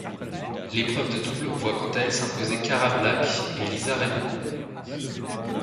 L'épreuve de double voit quant à elle s'imposer Cara Black et Lisa Raymond.